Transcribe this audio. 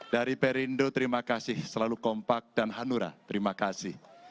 dari perindo terima kasih selalu kompak dan hanura terima kasih